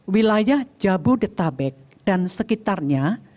wilayah jabodetabek dan sekitarnya